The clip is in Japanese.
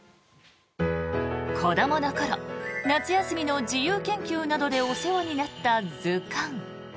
子どもの頃夏休みの自由研究などでお世話になった図鑑。